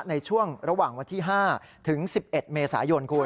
ในช่วงระหว่างวันที่๕ถึง๑๑เมษายนคุณ